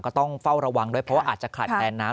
ต้องเฝ้าระวังด้วยเพราะว่าอาจจะขาดแคลนน้ำ